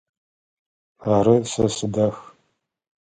Ары, сэ сыдах.